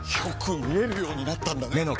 よく見えるようになったんだね！